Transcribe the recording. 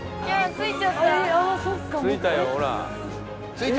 着いちゃったよ。